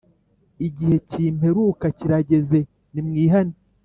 Igihe kimperuka kirageze ni mwihane